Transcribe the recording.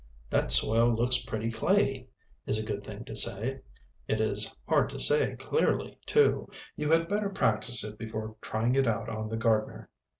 "That soil looks pretty clayey," is a good thing to say. (It is hard to say, clearly, too. You had better practise it before trying it out on the gardener).